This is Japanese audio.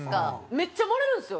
めっちゃ盛れるんですよ